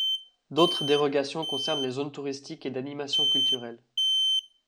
D'autres dérogations concernent les zones touristiques et d'animation culturelle.